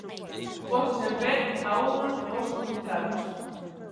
Postos en pé, a unha, os concentrados.